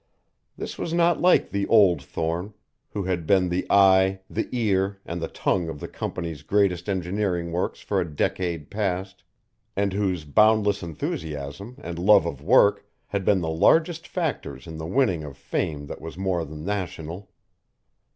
This was not like the old Thorne, who had been the eye, the ear and the tongue of the company's greatest engineering works for a decade past, and whose boundless enthusiasm and love of work had been the largest factors in the winning of fame that was more than national.